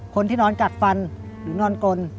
คนที่นอนกัดฟันหรือนอนกลน